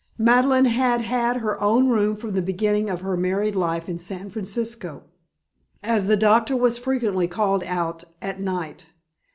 Madeleine had had her own room from the beginning of her married life in San Francisco, as the doctor was frequently called out at night.